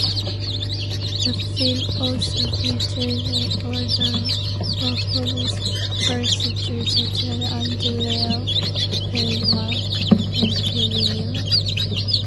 The film also features other Warhol superstars such as Andrea Feldman and Geri Miller.